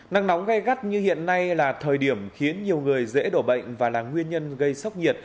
nắng nóng gai gắt như hiện nay là thời điểm khiến nhiều người dễ đổ bệnh và là nguyên nhân gây sốc nhiệt